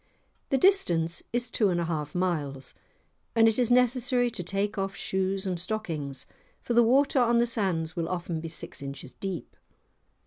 The distance is two and a half miles, and it is necessary to take off shoes and stockings, for the water on the sands will often be six inches deep.